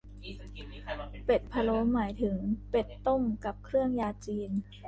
เป็ดพะโล้หมายถึงเป็ดต้มกับเครื่องยาจีน